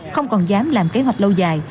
không còn dám làm kế hoạch lâu dài